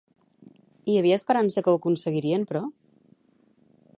Hi havia esperança que ho aconseguirien, però?